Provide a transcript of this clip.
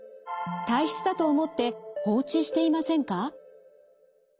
体質だと思って放置していませんか？